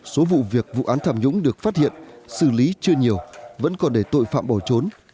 số vụ việc vụ án tham nhũng được phát hiện xử lý chưa nhiều vẫn còn để tội phạm bỏ trốn